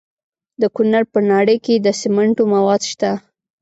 د کونړ په ناړۍ کې د سمنټو مواد شته.